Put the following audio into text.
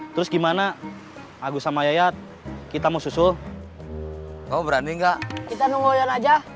terus gimana agus sama yaya kita mau susu oh berani enggak kita nunggu aja